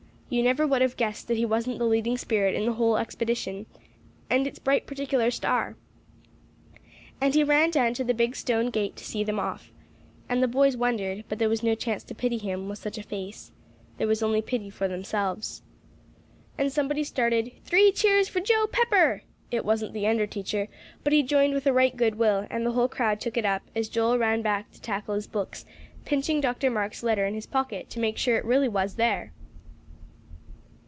You never would have guessed that he wasn't the leading spirit in the whole expedition, and its bright particular star! And he ran down to the big stone gate to see them off. And the boys wondered; but there was no chance to pity him, with such a face. There was only pity for themselves. And somebody started, "Three cheers for Joe Pepper!" It wasn't the under teacher, but he joined with a right good will; and the whole crowd took it up, as Joel ran back to tackle his books, pinching Dr. Marks' letter in his pocket, to make sure it really was there!